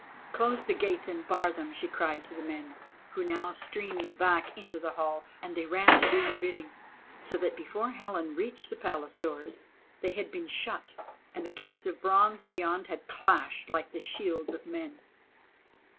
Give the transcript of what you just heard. "Close the gates and bar them," she cried to the men, who now streamed back into the hall; and they ran to do her bidding, so that before Helen reached the Palace doors, they had been shut and the gates of bronze beyond had clashed like the shields of men.